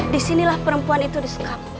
disinilah perempuan itu disekap